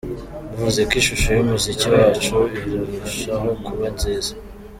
Bivuze ko ishusho y'umuziki wacu irarushaho kuba nziza.